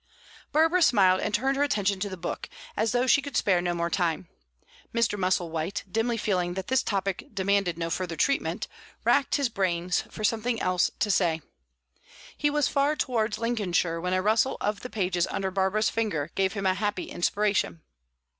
Barbara smiled and turned her attention to the book, as though she could spare no more time. Mr. Musselwhite, dimly feeling that this topic demanded no further treatment, racked his brains for something else to say. He was far towards Lincolnshire when a rustle of the pages under Barbara's finger gave him a happy inspiration.